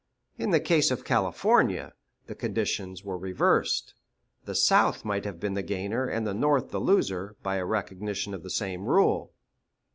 In the case of California, the conditions were reversed; the South might have been the gainer and the North the loser by a recognition of the same rule.